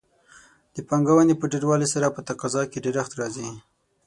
د پانګونې په ډېروالي سره په تقاضا کې ډېرښت راځي.